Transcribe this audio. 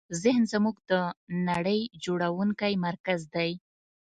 ذهن زموږ د نړۍ جوړوونکی مرکز دی.